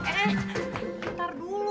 eh ntar dulu